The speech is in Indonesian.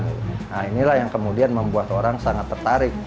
nah inilah yang kemudian membuat orang sangat tertarik